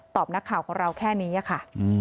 นักข่าวของเราแค่นี้ค่ะ